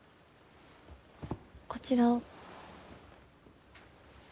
こちらを。